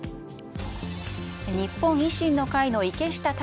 日本維新の会の池下卓